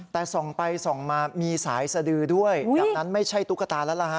แต่ส่องไปส่องมามีสายสดือด้วยดังนั้นไม่ใช่ตุ๊กตาแล้วล่ะฮ